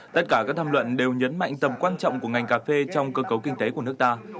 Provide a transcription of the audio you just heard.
tất cả các tham luận đều nhấn mạnh tầm quan trọng của ngành cà phê trong cơ cấu kinh tế của nước ta